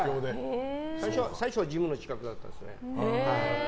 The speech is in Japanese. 最初はジムの近くだったんですよね。